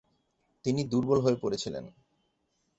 তিনি দুর্বল হয়ে পড়েছিলেন।